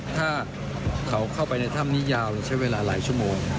ถ้าเขาเข้าไปในถ้ำนี้ยาวใช้เวลาหลายชั่วโมง